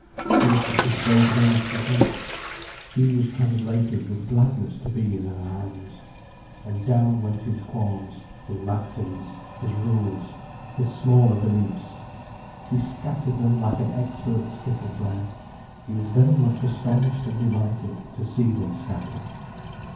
She was to dispose of him as she would. He was translated with gladness to be in her hands. And down went his qualms, his maxims, his rules, his smaller beliefs, she scattered them like an expert skittle player. He was very much astonished and delighted to see them scatter.